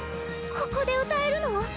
ここで歌えるの？